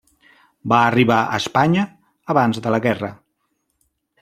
Va arribar a Espanya abans de la guerra.